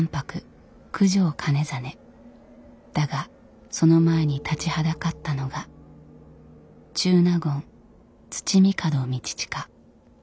だがその前に立ちはだかったのが中納言土御門通親。